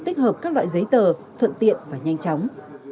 tích hợp các loại giấy tờ thuận tiện và nhanh chóng